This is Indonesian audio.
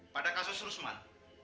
pada kasus rusman